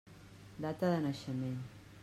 Data de naixement.